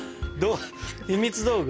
ひみつ道具？